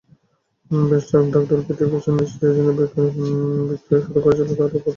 বেশ ঢাকঢোল পিটিয়ে fashion designer Vikram শুরু করেছিলেন তাঁর প্রথম ছবি নিয়ার নির্মাণকাজ।